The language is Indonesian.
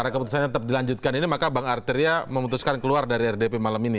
karena keputusannya tetap dilanjutkan ini maka bank arteria memutuskan keluar dari rdp malam ini